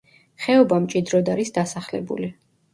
ხეობა მჭიდროდ არის დასახლებული.